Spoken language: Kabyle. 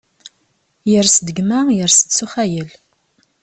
Yers-d gma, yers-d s uxayel.